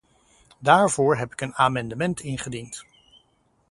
Daarvoor heb ik een amendement ingediend.